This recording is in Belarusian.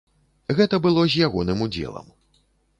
Гэта было з ягоным удзелам.